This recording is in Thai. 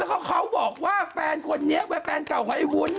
แล้วก็เขาบอกว่าแฟนคนนี้เป็นแฟนเก่าของไอ้วุ้น